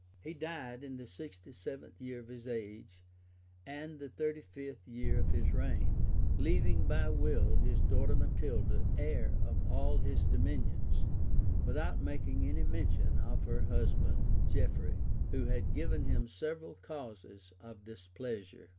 ] He died in the sixty seventh year of his age and the thirty fifth year of his reign, leaving by will his daughter Matilda heir of all his dominions, without making any mention of her husband, Geoffrey, who had given him several causes of displeasure.